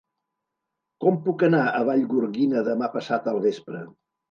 Com puc anar a Vallgorguina demà passat al vespre?